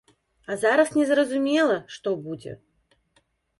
А зараз не зразумела, што будзе.